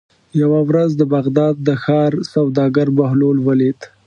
یوه ورځ د بغداد د ښار سوداګر بهلول ولید.